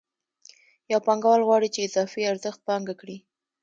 یو پانګوال غواړي چې اضافي ارزښت پانګه کړي